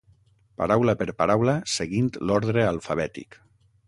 Paraula per paraula, seguint l'ordre alfabètic.